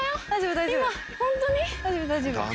大丈夫大丈夫。